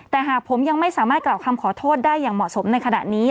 แต่หากผมยังไม่สามารถกล่าวคำขอโทษได้อย่างเหมาะสมในขณะนี้